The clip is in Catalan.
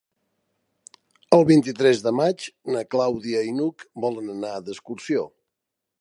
El vint-i-tres de maig na Clàudia i n'Hug volen anar d'excursió.